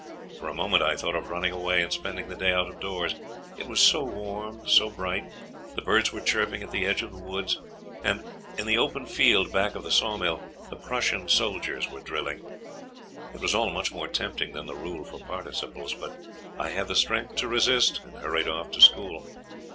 For a moment I thought of running away and spending the day out of doors. It was so warm, so bright! The birds were chirping at the edge of the woods; and in the open field back of the saw mill the Prussian soldiers were drilling. It was all much more tempting than the rule for participles, but I had the strength to resist, and hurried off to school.